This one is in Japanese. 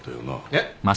えっ？